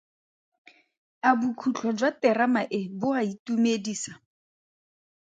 A bokhutlo jwa terama e bo a itumedisa?